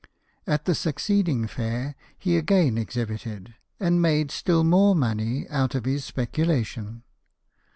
At the suc ceeding fair he again exhibited, and made still more money out of his speculation.